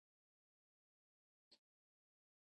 جلګه د افغانستان په هره برخه کې موندل کېږي.